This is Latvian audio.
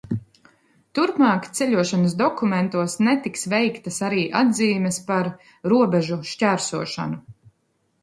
Turpmāk ceļošanas dokumentos netiks veiktas arī atzīmes par robežu šķērsošanu.